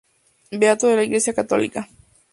Beato de la iglesia católica.